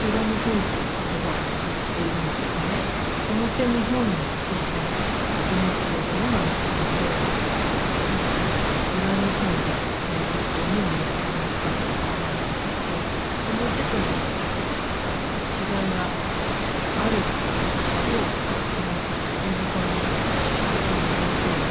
「表日本」の視線を持っているのが三島で「裏日本」の視線を持っているのが水上っていうふうに考えていて表との格差とか違いがあるっていうことを水上は意識的に表に出していて。